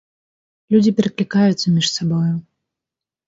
Людзі пераклікаюцца між сабою.